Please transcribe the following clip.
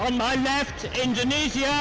di kiri saya di indonesia